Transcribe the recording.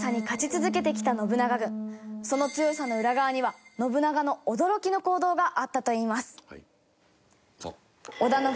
その強さの裏側には信長の驚きの行動があったといいます。